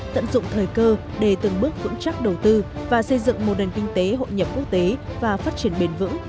tận dụng thời cơ để từng bước vững chắc đầu tư và xây dựng một nền kinh tế hội nhập quốc tế và phát triển bền vững